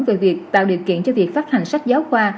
về việc tạo điều kiện cho việc phát hành sách giáo khoa